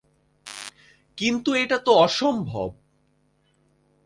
কিন্তু এটা তো অসম্ভব!